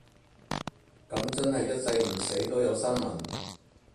噉真係一世唔死都有新聞